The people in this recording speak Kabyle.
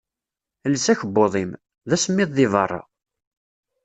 Els akebbuḍ-im. D asemmiḍ deg berra.